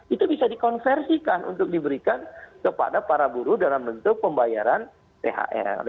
itu bisa dikonversikan untuk diberikan kepada para buruh dalam bentuk pembayaran thr